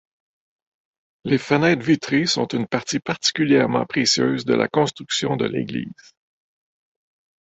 Les fenêtres vitrées sont une partie particulièrement précieuse de la construction de l'église.